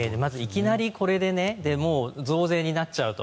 いきなりこれで増税になっちゃうと。